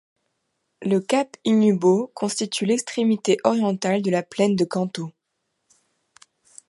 Le cap Inubō constitue l'extrémité orientale de la plaine de Kantō.